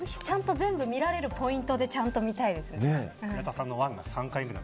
ちゃんと全部見られるポイントで、見たいですよね。